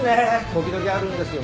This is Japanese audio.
時々あるんですよ